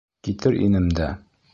— Китер инем дә...